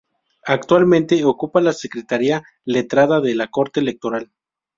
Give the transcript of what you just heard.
Actualmente ocupa la Secretaría Letrada de la Corte Electoral.